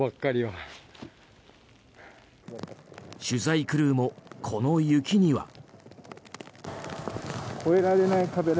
取材クルーもこの雪には。